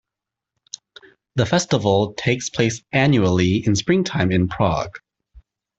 The festival takes place annually in springtime in Prague.